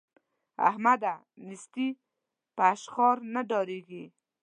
احمده! نېستي په اشخار نه ډېرېږي.